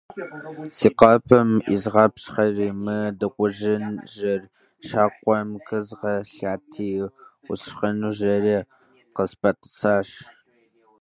- Си къэпым изгъапщхьэри мы дыгъужьыжьыр щакӏуэм къезгъэлати, «усшхынущ» жери къыспэтӏысащ.